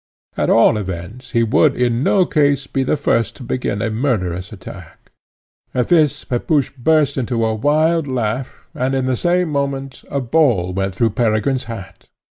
At all events he would in no case be the first to begin a murderous attack. At this Pepusch burst into a wild laugh, and in the same moment the ball went through Peregrine's hat.